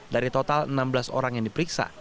dari total enam belas orang yang diperiksa